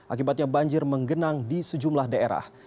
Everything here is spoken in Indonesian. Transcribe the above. akibatnya banjir menggenang di sejumlah daerah